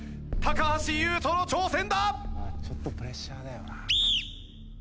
橋優斗の挑戦だ！